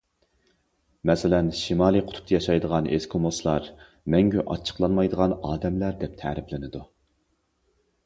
مەسىلەن: شىمالىي قۇتۇپتا ياشايدىغان ئېسكىموسلار‹‹ مەڭگۈ ئاچچىقلانمايدىغان ئادەملەر›› دەپ تەرىپلىنىدۇ.